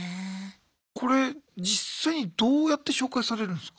これ実際にどうやって紹介されるんすか？